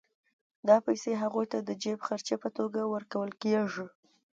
دا پیسې هغوی ته د جېب خرچۍ په توګه ورکول کېږي